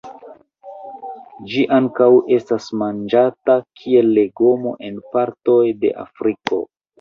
Ĝi ankaŭ estas manĝata kiel legomo en partoj de Afriko.